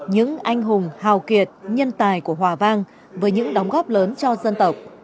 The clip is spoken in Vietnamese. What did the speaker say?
những anh hùng hào kiệt nhân tài của hòa vang với những đóng góp lớn cho dân tộc